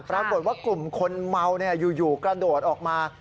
ปรากฏว่ากลุ่มคนเมาอยู่กระโดดออกมา